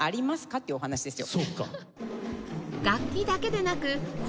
っていうお話ですよ。